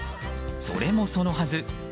それもそのはず